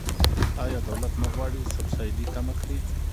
آیا دولت نه غواړي سبسایډي کمه کړي؟